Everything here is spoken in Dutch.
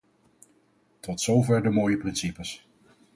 Tot zover de mooie principes.